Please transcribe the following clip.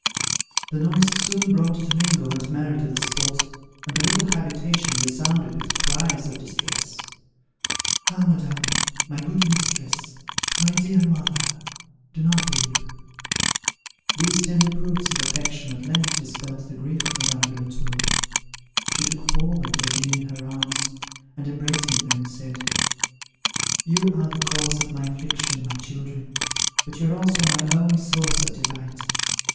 The noise soon brought Domingo and Mary to the spot, and the little habitation resounded with cries of distress, "Ah, madame! My good mistress! My dear mother! Do not weep!" These tender proofs of affections at length dispelled the grief of Madame de la Tour. She took Paul and Virginia in her arms, and, embracing them, said, "You are the cause of my affliction, my children, but you are also my only source of delight!